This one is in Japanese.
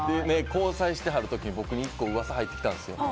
交際してはる時僕に１個噂入ってきたんです。